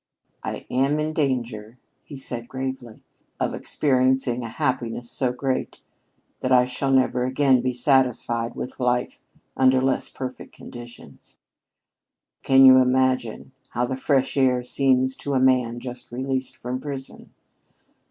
"I am in danger," he said gravely, "of experiencing a happiness so great that I shall never again be satisfied with life under less perfect conditions. Can you imagine how the fresh air seems to a man just released from prison?